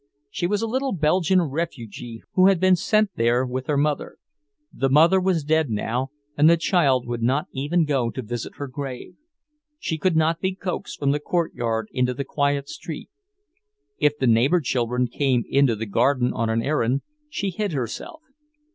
She was a little Belgian refugee who had been sent there with her mother. The mother was dead now, and the child would not even go to visit her grave. She could not be coaxed from the court yard into the quiet street. If the neighbour children came into the garden on an errand, she hid herself.